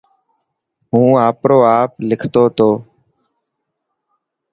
هون آپرو آپ لکتو ٿو.